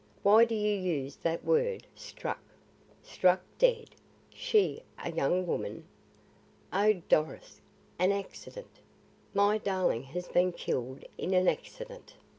Why do you use that word, struck? Struck dead! she, a young woman. Oh, Doris, an accident! My darling has been killed in an accident!"